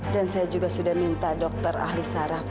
dan saya juga sudah minta dokter ahli sarap